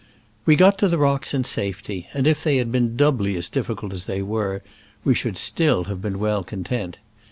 We got to the rocks in safety, and if they had been doubly as difficult as they were, we should still have been well content.